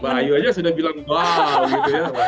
mbak ayu aja sudah bilang wow gitu ya